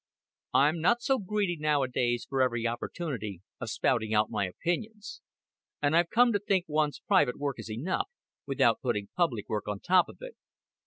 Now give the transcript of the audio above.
"I'm not so greedy nowadays for every opportunity of spouting out my opinions; and I've come to think one's private work is enough, without putting public work on top of it.